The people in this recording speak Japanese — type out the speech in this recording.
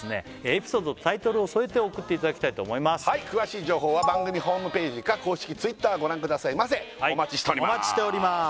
エピソードとタイトルを添えて送っていただきたいと思います詳しい情報は番組ホームページか公式Ｔｗｉｔｔｅｒご覧くださいませお待ちしております